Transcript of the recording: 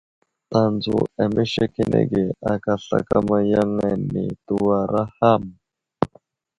Tanzo amesekenege aka slakama yaŋ ane tewara ham.